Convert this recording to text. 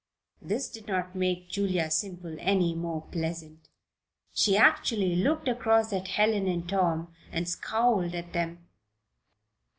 This did not make Julia Semple any more pleasant. She actually looked across at Helen and Tom and scowled at them.